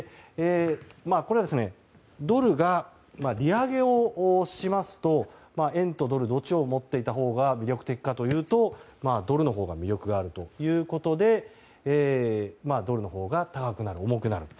これはドルが利上げをしますと円とドル、どちらを持っていたほうが魅力的かというとドルのほうが魅力があるということでドルのほうが高くなる重くなる。